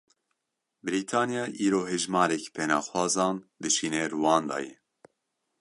Brîtanya îro hejmarek penaxwazan dişîne Rwandayê.